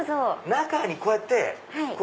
中にこうやって。